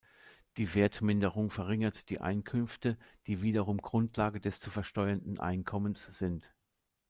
Die Wertminderung verringert die Einkünfte, die wiederum Grundlage des zu versteuernden Einkommens sind.